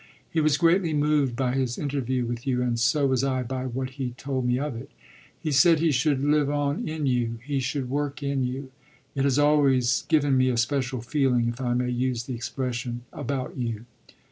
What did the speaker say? He was greatly moved by his interview with you, and so was I by what he told me of it. He said he should live on in you he should work in you. It has always given me a special feeling, if I may use the expression, about you."